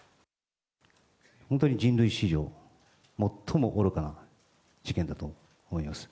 本当に人類史上、最も愚かな事件だと思います。